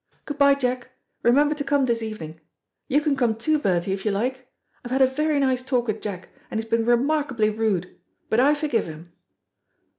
Good bye, Jack. Remember to come this evening. You can come, too, Bertie, if you like. I have had a very nice talk with Jack, and he has been remarkably rude, but I forgive him."